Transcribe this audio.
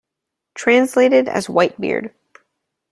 Translated as "White Beard".